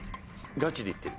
ガチで言ってる。